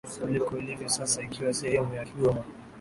kuliko ilivyo sasa ikiwa sehemu ya Kigoma